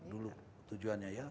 dulu tujuannya ya